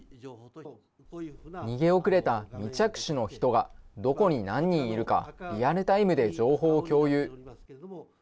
逃げ遅れた未着手の人がどこに何人いるか、リアルタイムで情報を共有。